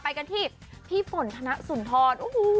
ไปกันที่พี่ฝนธนสุนทร